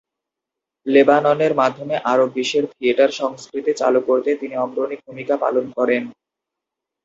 লেবাননের মাধ্যমে আরব বিশ্বের থিয়েটার সংস্কৃতি চালু করতে তিনি অগ্রণী ভূমিকা পালন করেন।